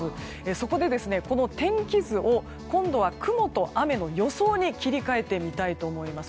そこで、この天気図を今度は雲と雨の予想に切り替えてみたいと思います。